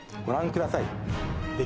ご覧ください